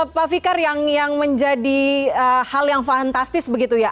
pak fikar yang menjadi hal yang fantastis begitu ya